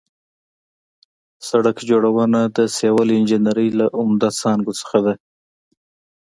سړک جوړونه د سیول انجنیري له عمده څانګو څخه ده